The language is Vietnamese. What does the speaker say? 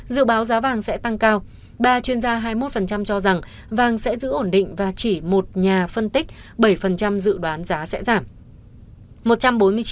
dự báo giá vàng sẽ tăng cao ba chuyên gia hai mươi một cho rằng vàng sẽ giữ ổn định và chỉ một nhà phân tích bảy dự đoán giá sẽ giảm